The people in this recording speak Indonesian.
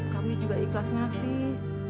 kami juga ikhlas ngasih